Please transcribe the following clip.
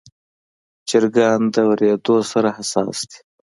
چرګان د وریدو سره حساس دي.